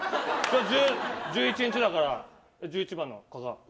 今日１１日だから１１番の加賀。